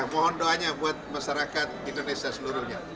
mohon doanya buat masyarakat indonesia seluruhnya